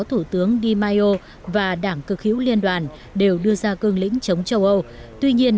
thủ tướng di maio và đảng cực hữu liên đoàn đều đưa ra cương lĩnh chống châu âu tuy nhiên